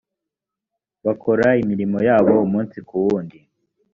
bakora imirimo yabo umunsi kuwundi